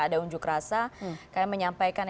ada unjuk rasa kami menyampaikan